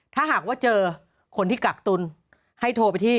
ถ้าหากว่าเจอคนที่กักตุลให้โทรไปที่